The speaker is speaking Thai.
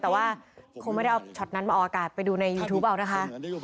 แต่ว่าคงไม่ได้เอาช็อตนั้นมาออกอากาศไปดูในยูทูปเอานะคะ